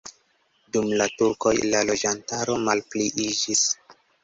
Dum la turkoj la loĝantaro malpliiĝis.